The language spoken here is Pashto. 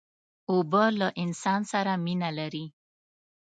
اوبه له انسان سره مینه لري.